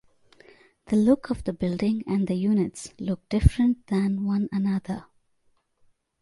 The look of the building and the units look different than one another.